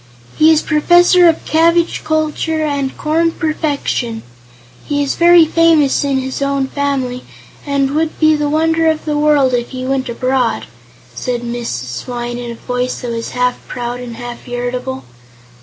"He is Professor of Cabbage Culture and Corn Perfection. He is very famous in his own family, and would be the wonder of the world if he went abroad," said Mrs. Swyne in a voice that was half proud and half irritable.